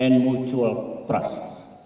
dan mutual trust